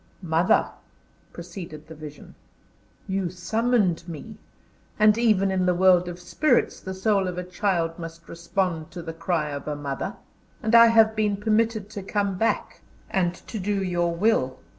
"Mother," proceeded the vision, "you summoned me, and even in the world of spirits the soul of a child must respond to the cry of a mother, and I have been permitted to come back and to do your will.